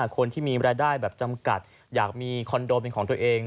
คนที่มีรายได้แบบจำกัดอยากมีคอนโดเป็นของตัวเอง